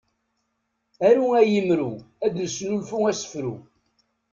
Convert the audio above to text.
Aru ay imru ad d-nesnulfu asefru.